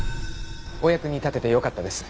お役に立ててよかったです。